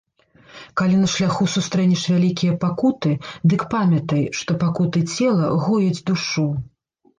Калі на шляху сустрэнеш вялікія пакуты, дык памятай, што пакуты цела гояць душу.